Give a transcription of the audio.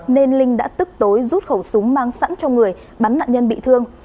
nên linh đã tức tối rút khẩu súng mang sẵn trong người bắn nạn nhân bị thương